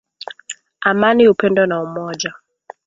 Amani upendo na umoja,